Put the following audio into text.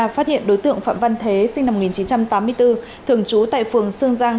phát hiện đối tượng phạm văn thế sinh năm một nghìn chín trăm tám mươi bốn thường trú tại phường sương giang